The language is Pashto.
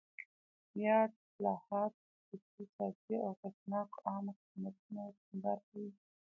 یاد اصلاحات د خصوصي سازۍ او اغېزناکو عامه خدمتونو ټینګار کوي.